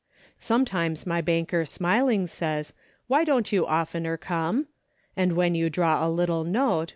"' Sometimes my banker smiling says. Why don't you oftener come ? And when you draw a little note.